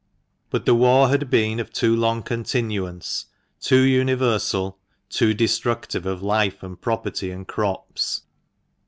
But the war had been of too long continuance, too universal, too destructive of life and property and crops.